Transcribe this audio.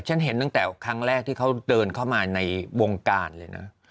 ฉันเห็นตั้งแต่ครั้งแรกที่เขาเดินเข้ามาในวงการเลยนะ